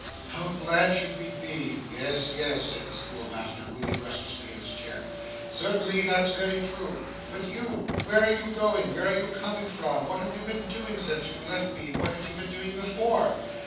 'How glad should we be!' 'Yes, yes,' said the schoolmaster, moving restlessly in his chair, 'certainly, that's very true. But you where are you going, where are you coming from, what have you been doing since you left me, what had you been doing before?